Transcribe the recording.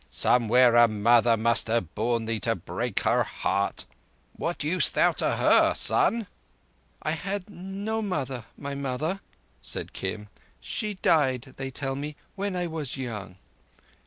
Somewhere a mother must have borne thee to break her heart. What used thou to her—son?" "I had no mother, my mother," said Kim. "She died, they tell me, when I was young."